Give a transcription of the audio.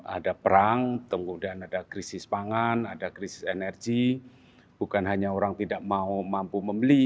ada perang kemudian ada krisis pangan ada krisis energi bukan hanya orang tidak mau mampu membeli